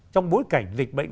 trong bối cảnh dịch bệnh